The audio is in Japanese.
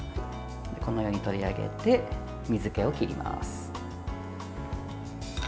このようにとりあげて水けを切ります。